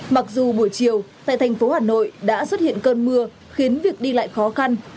mặc dù buổi chiều tại thành phố hà nội đã xuất hiện cơn mưa khiến việc đi lại khó khăn